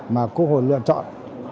mà quốc hội lựa chọn